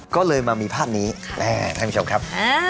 ก็เลยมามีภาพนี้ท่านผู้ชมครับ